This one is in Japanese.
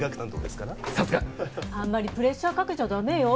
さすが！あんまりプレッシャーかけちゃ駄目よ。